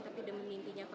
tapi dia mengimpinya fara